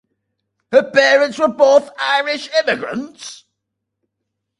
Her parents were both Irish immigrants.